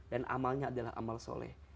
dan amalnya adalah amal soleh